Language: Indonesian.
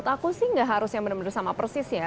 aku sih gak harus yang bener bener sama persis ya